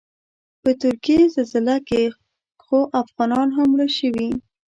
په ترکیې زلزله کې خو افغانان هم مړه شوي.